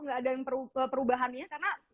gak ada perubahannya karena